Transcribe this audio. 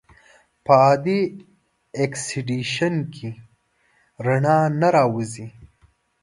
په عادي اکسیدیشن کې رڼا نه راوځي.